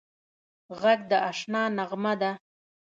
غږ د اشنا نغمه ده